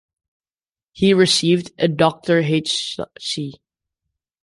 He received a Dr.h.c.